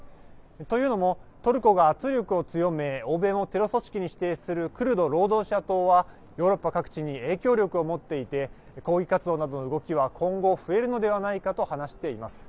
というのも、トルコが圧力を強め欧米もテロ組織に指定するクルド労働者党はヨーロッパ各地に影響力を持っていて抗議活動などの動きは今後増えるのではないかと話しています。